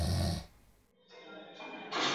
আমি মোটামুটিভাবে এক জন স্বচ্ছল মানুষ।